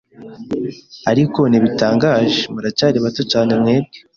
Ariko ntibitangaje, muracyari bato cyane mwebwe